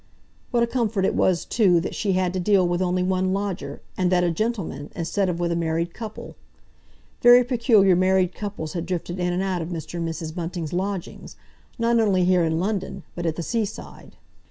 What a comfort it was, too, that she had to deal with only one lodger, and that a gentleman, instead of with a married couple! Very peculiar married couples had drifted in and out of Mr. and Mrs. Bunting's lodgings, not only here, in London, but at the seaside.